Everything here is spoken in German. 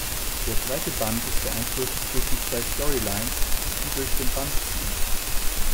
Der zweite Band ist beeinflusst durch die zwei Storylines, die durch den Band ziehen.